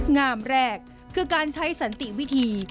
งามแรกคือการใช้สันติวิธี